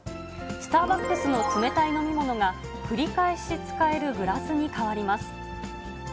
スターバックスの冷たい飲み物が、繰り返し使えるグラスに変わります。